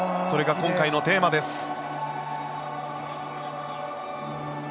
それが今回のテーマです。